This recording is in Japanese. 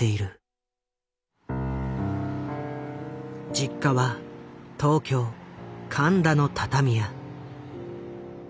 実家は東京・神田の畳屋。